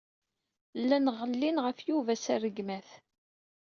Llan ɣellin ɣef Yuba s rregmat.